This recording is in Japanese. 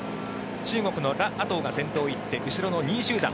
中国のラ・アトウが先頭を行って後ろの２位集団。